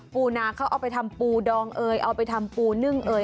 ปูนาเขาเอาไปทำปูดองเอ่ยเอาไปทำปูนึ่งเอ่